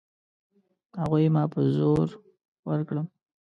هغوی ما په زور ورکړم.